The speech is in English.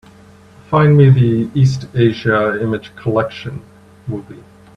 Find me the East Asia Image Collection movie.